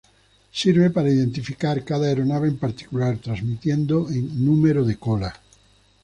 Sirve para identificar cada aeronave en particular, transmitiendo en "número de cola".